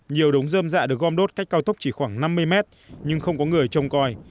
nhiều đống dơm dạ được gom đốt cách cao tốc chỉ khoảng năm mươi mét nhưng không có người trông coi